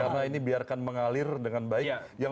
karena ini biarkan mengalir dengan baik